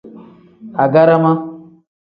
Agarama.